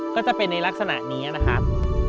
ก็จะเป็นในลักษณะนี้นะครับ